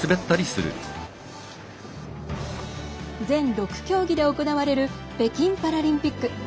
全６競技で行われる北京パラリンピック。